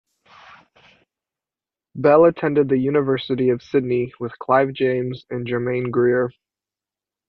Bell attended the University of Sydney with Clive James and Germaine Greer.